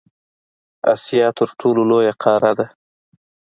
اسیا تر ټولو لویه قاره ده.